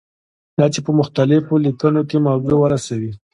دا چې په مختلفو لیکنو کې موضوع ورسوي.